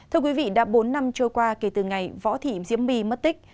thưa quý vị đã bốn năm trôi qua kể từ ngày võ thị diễm my mất tích